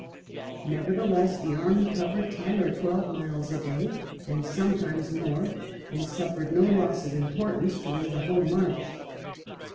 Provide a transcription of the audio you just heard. Nevertheless the army covered ten or twelve miles a day, and sometimes more, and suffered no loss of importance during the whole march.